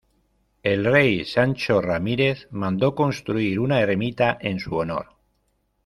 El rey Sancho Ramírez mandó construir una ermita en su honor.